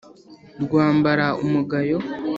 Rwambara umugayo